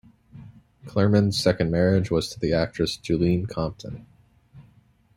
Clurman's second marriage was to the actress Juleen Compton.